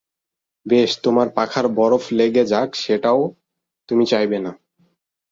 বেশ, তোমার পাখায় বরফ লেগে যাক সেটাও তুমি চাইবে না।